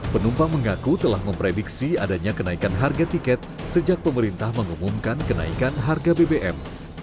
penumpang mengaku telah memprediksi adanya kenaikan harga tiket sejak pemerintah mengumumkan kenaikan harga bbm